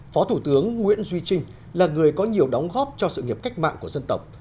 phó thủ tướng nguyễn duy trinh là người có nhiều đóng góp cho sự nghiệp cách mạng của dân tộc